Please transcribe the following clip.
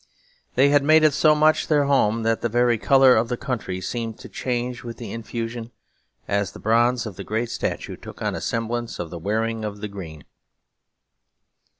They had made it so much their home that the very colour of the country seemed to change with the infusion; as the bronze of the great statue took on a semblance of the wearing of the green.